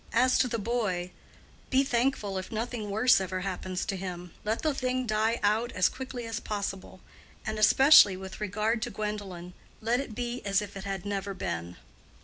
As to the boy, be thankful if nothing worse ever happens to him. Let the thing die out as quickly as possible; and especially with regard to Gwendolen—let it be as if it had never been."